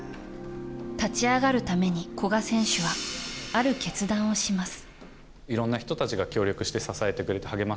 立ち上がるために古賀選手はある決断をします。